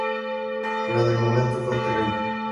Pero en el momento fue terrible".